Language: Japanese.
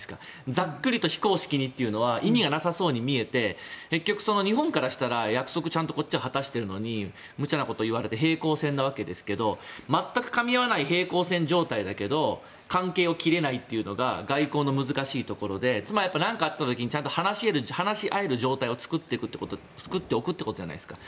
ざっくりと非公式にというのは意味がなさそうに見えて結局日本からしたら約束をちゃんとこっちは果たしているのに無茶なことを言われて平行線なわけですけど全くかみ合わない平行線状態だけど関係を切れないっていうのが外交の難しいところでつまり何かあった時にちゃんと話し合える状態を作っておくってことじゃないですか。